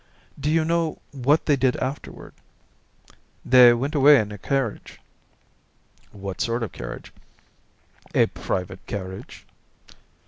"Do you know what they did afterward?" "They went away in a carriage." "What sort of a carriage?" "A private carriage."